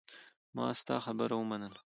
ما ستا خبره ومنله.